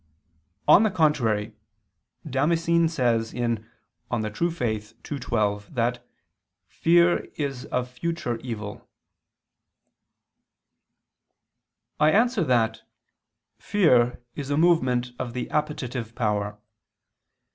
On the contrary, Damascene says (De Fide Orth. ii, 12) that fear is of future evil. I answer that, Fear is a movement of the appetitive power.